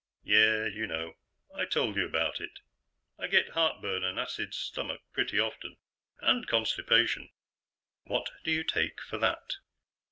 "Yeah. You know; I told you about it. I get heartburn and acid stomach pretty often. And constipation." "What do you take for that?"